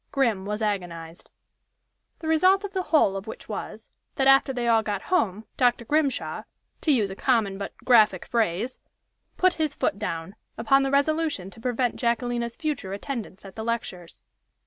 Grim was agonized. The result of the whole of which was that after they all got home, Dr. Grimshaw to use a common but graphic phrase "put his foot down" upon the resolution to prevent Jacquelina's future attendance at the lectures.